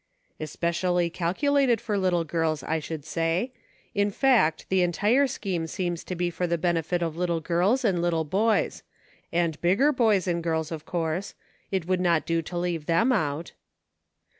"Especially calculated for little girls, I should say ; in fact, the entire scheme seems to be for the benefit of little girls and little boys ; and bigger boys and girls, of course ; it would not do to leave them out."